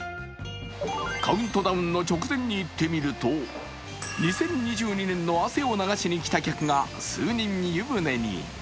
カウントダウンの直前に行ってみると２０２２年の汗を流しに来た客が数人、湯船に。